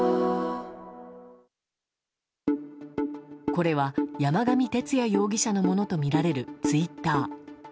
これは、山上徹也容疑者のものとみられるツイッター。